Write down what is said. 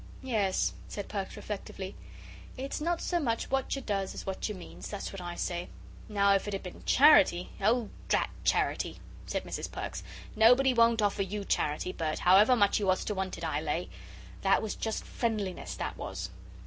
"Yes," said Perks, reflectively, "it's not so much what you does as what you means; that's what I say. Now if it had been charity " "Oh, drat charity," said Mrs. Perks; "nobody won't offer you charity, Bert, however much you was to want it, I lay. That was just friendliness, that was."